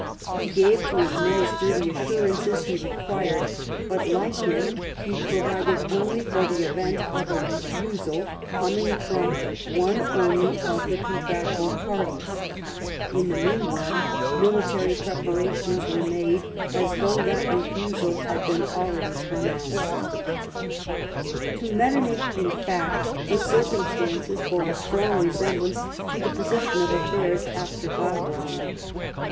Fie gave to his minister the 118 LIFE OF PRINCE METTEBNICH. assurances he required, but, like him, he provided only for the event of a refusal comhig from one only of the con tracting parties ; in the meanwhile military preparations were made as though that refusal had heen already pronounced. To Metternich, in fact, the circumstances bore a strong resemblance to the position of affairs after Wagram.